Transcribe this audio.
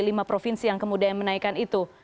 lima provinsi yang kemudian menaikkan itu